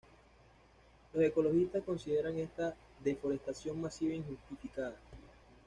Los ecologistas consideran esta deforestación masiva injustificada.